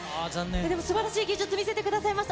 でもすばらしい技術、見せてくださいました。